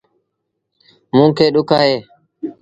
مو کي ڏُک اهي